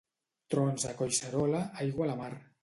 Trons a Collserola, aigua a la mar.